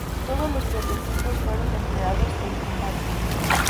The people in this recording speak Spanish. Todos los prototipos fueron empleados en combate.